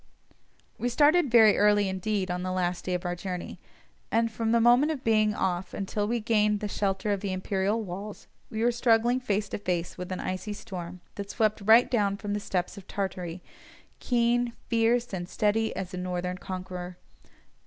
We started very early indeed on the last day of our journey, and from the moment of being off until we gained the shelter of the imperial walls we were struggling face to face with an icy storm that swept right down from the steppes of Tartary, keen, fierce, and steady as a northern conqueror.